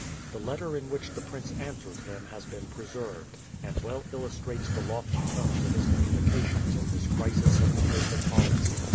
The letter in which the prince answered him has been preserved, and well illustrates the lofty tones of his communications in this crisis of the fate of Holland.